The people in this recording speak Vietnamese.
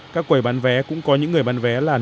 các quầy bán vé cũng có những người bán vé là